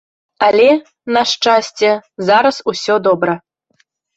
Але, на шчасце, зараз усё добра.